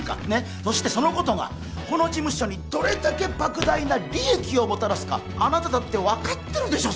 そしてそのことがこの事務所にどれだけ莫大な利益をもたらすかあなただって分かってるでしょう